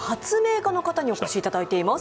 家の方にお越しいただいています。